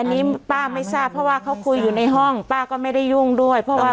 อันนี้ป้าไม่ทราบเพราะว่าเขาคุยอยู่ในห้องป้าก็ไม่ได้ยุ่งด้วยเพราะว่า